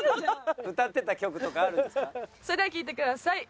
それでは聴いてください。